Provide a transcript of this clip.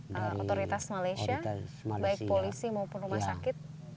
dari otoritas malaysia baik polisi maupun rumah sakit